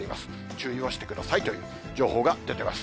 注意をしてくださいという情報が出てます。